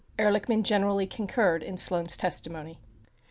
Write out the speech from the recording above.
67 Ehrlichman generally con curred in Sloan's testimony.